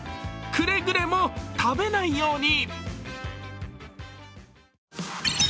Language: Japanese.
くれぐれも食べないように！